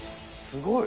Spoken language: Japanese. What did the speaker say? すごい。